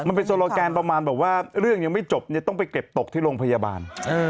มันเป็นโซโลแกนประมาณแบบว่าเรื่องยังไม่จบต้องไปเก็บตกที่โรงพยาบาล